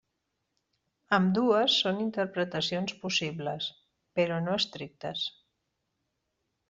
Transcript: Ambdues són interpretacions possibles, però no estrictes.